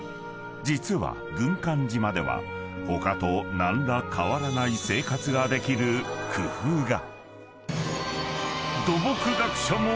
［実は軍艦島では他と何ら変わらない生活ができる工夫が］